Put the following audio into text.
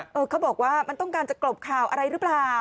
น้องวาบอกว่ามันต้องกลัวจะโกรธข่าวอะไรรึเปล่า